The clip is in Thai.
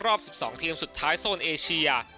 รอบ๑๒ทีมสุดท้ายโซนเอเชีย